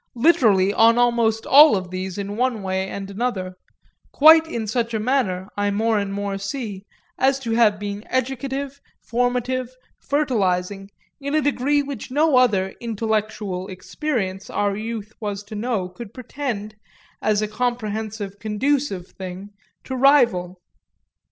literally on almost all of these, in one way and another; quite in such a manner, I more and more see, as to have been educative, formative, fertilising, in a degree which no other "intellectual experience" our youth was to know could pretend, as a comprehensive, conducive thing, to rival.